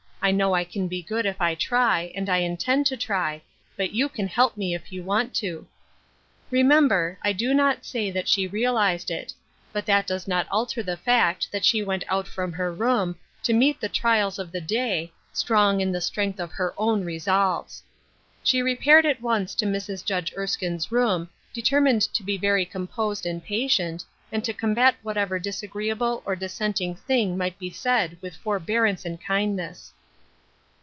I know I can be good if I try, and I intend to try ; but you can help me if you want to !" Remember, I do not say that she realized it ; but that does not alter the fact that «he went out from her room, to meet the trials of the day, strong in the strength of her own resolves. She repaired at once to Mrs. Judge Erskine's room, determined to be very composed And patient, and to combat whatever disagree *ble or dissenting thing might be said with for bearance and kindness.